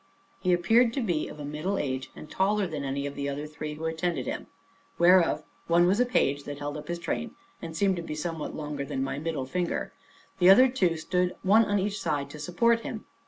He appeared to be of a middle age, and taller than any of the other three who attended him, whereof one was a page that held up his train, and seemed to be somewhat longer than my middle finger; the other two stood one on each side to support him.